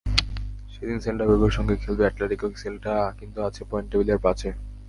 সেদিন সেল্টা ভিগোর সঙ্গে খেলবে অ্যাটলেটিকো, সেল্টা কিন্তু আছে পয়েন্ট টেবিলের পাঁচে।